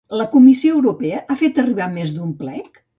La Comissió Europea ha fet arribar més d'un plec?